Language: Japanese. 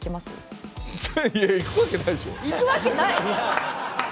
行くわけない！？